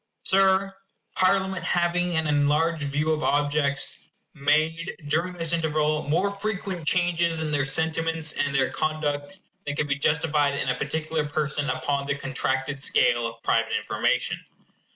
Sir, Parliament having an enlarged view of objects, made, during this interval, more frequent changes in their sentiments and their conduct than could be justified in a particular person upon the contracted scale of private information.